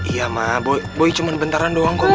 iya ma boy cuma bentaran doang kok ma